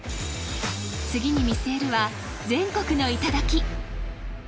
次に見据えるは全国の頂き。